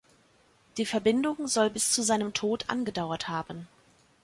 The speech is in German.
Die Verbindung soll bis zu seinem Tod angedauert haben.